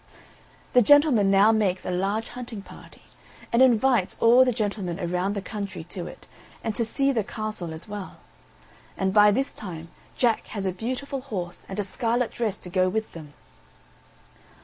The gentleman now makes a large hunting party, and invites all the gentlemen around the country to it, and to see the castle as well. And by this time Jack has a beautiful horse and a scarlet dress to go with them.